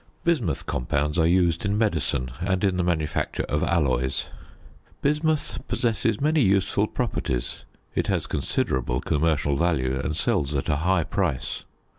Bismuth compounds are used in medicine and in the manufacture of alloys. Bismuth possesses many useful properties. It has considerable commercial value, and sells at a high price.